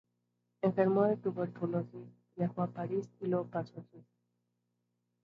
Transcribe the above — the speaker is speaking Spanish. Enfermo de tuberculosis, viajó a París y luego pasó a Suiza.